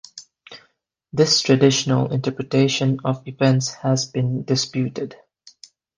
This traditional interpretation of events has been disputed.